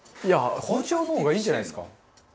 「いや包丁の方がいいんじゃないですか？」